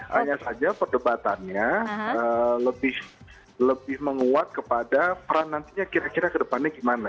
hanya saja perdebatannya lebih menguat kepada peran nantinya kira kira kedepannya gimana